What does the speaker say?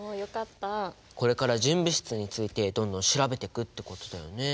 これから純物質についてどんどん調べていくってことだよね。